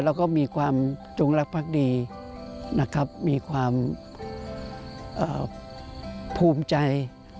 และก็มีความจุงรักพรรคดีมีความภูมิใจ